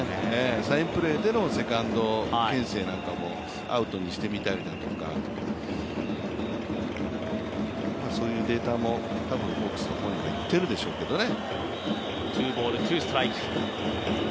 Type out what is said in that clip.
サインプレーでのセカンドけん制なんかもアウトにしてみたりだとかそういうデータも多分、ホークスの方にもいっているでしょうけどね。